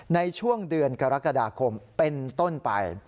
ในช่วงเดือนกรกฎาคมเป็นต้นไป